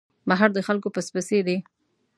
بهر د خلکو پس پسي دی.